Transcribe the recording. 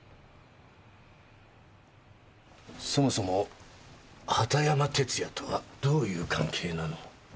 そもそも畑山哲弥とはどういう関係なの？